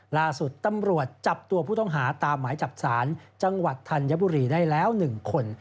ล่าสุดตำรวจจับตัวผู้ต้องหาตามหมายจับศาลจังหวัดธัญบุรีได้แล้ว๑คน